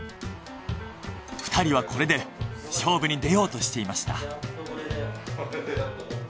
２人はこれで勝負に出ようとしていました。